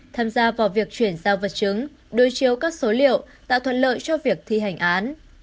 tham gia vào việc chuyển giao vật chứng đối chiếu các số liệu tạo thuận lợi cho việc thi hành án